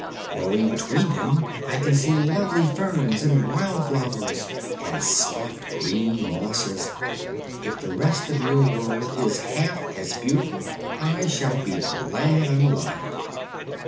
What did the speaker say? "Growing between them I can see lovely ferns and wild flowers, and soft green mosses. If the rest of your world is half as beautiful I shall be glad I'm alive."